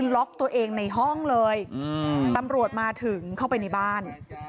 ล็อกตัวเองในห้องเลยตำรวจมาถึงเข้าไปในบ้าน